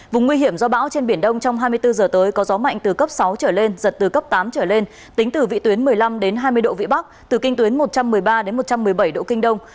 vùng nguy hiểm do bão trên biển đông trong hai mươi bốn h tới có gió mạnh từ cấp sáu trở lên giật từ cấp tám trở lên tính từ vị tuyến một mươi năm hai mươi độ vĩ bắc từ kinh tuyến một trăm một mươi ba một trăm một mươi bảy độ kinh đông